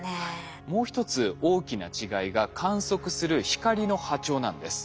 もう一つ大きな違いが観測する光の波長なんです。